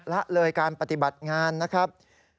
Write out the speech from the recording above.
ละเลยการปฏิบัติงานนะครับ